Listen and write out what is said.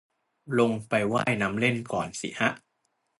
ลงไปว่ายน้ำเล่นก่อนสิฮะ